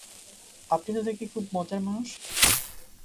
আপনি তো দেখি খুব মজার মানুষ!